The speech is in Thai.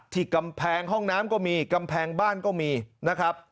ที่กำแพงห้องน้ำก็มีกำแพงบ้านก็มีนะครับ